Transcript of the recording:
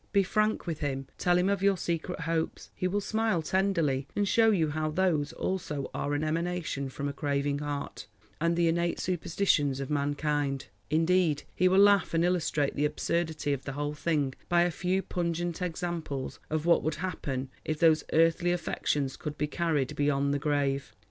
Be frank with him, tell him of your secret hopes. He will smile tenderly, and show you how those also are an emanation from a craving heart, and the innate superstitions of mankind. Indeed he will laugh and illustrate the absurdity of the whole thing by a few pungent examples of what would happen if these earthly affections could be carried beyond the grave.